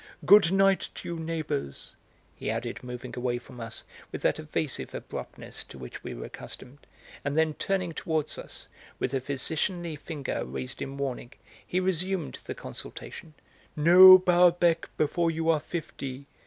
Good night to you, neighbours," he added, moving away from us with that evasive abruptness to which we were accustomed; and then, turning towards us, with a physicianly finger raised in warning, he resumed the consultation: "No Balbec before you are fifty!"